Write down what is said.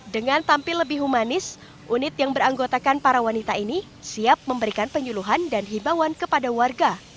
dengan tampil lebih humanis unit yang beranggotakan para wanita ini siap memberikan penyuluhan dan hibauan kepada warga